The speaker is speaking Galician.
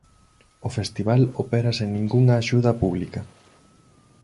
O Festival opera sen ningunha axuda pública.